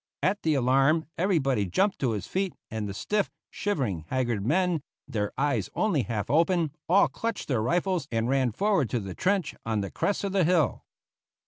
At the alarm everybody jumped to his feet and the stiff, shivering, haggard men, their eyes only half opened, all clutched their rifles and ran forward to the trench on the crest of the hill.